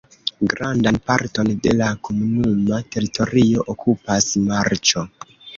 Grandan parton de la komunuma teritorio okupas marĉo.